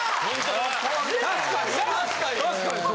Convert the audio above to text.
確かにな！